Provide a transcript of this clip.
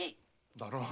だろう？